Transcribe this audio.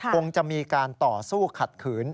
คงจะมีการต่อสู้ขัดขืน